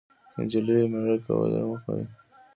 که انجلۍ وي، میړه کول یې موخه وي.